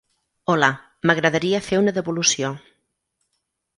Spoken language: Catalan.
Hola, m'agradaria fer una devolució.